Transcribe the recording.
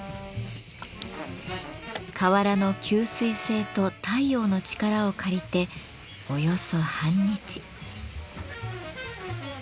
瓦の吸水性と太陽の力を借りておよそ半日。